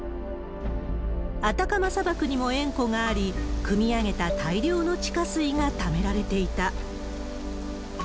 アタカマ砂漠にも塩湖があり、くみ上げた大量の地下水がためられていた。